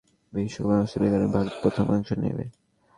যে কোনও বয়সে তাদের প্রথম বিশ্বকাপে অংশগ্রহণকারী ভারত প্রথম অংশ নেবে।